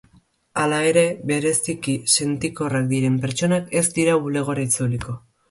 Hala ere, bereziki sentikorrak diren pertsonak ez dira bulegora itzuliko.